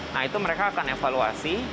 nah itu mereka akan evaluasi